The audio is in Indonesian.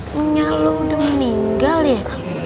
punya lo udah meninggal ya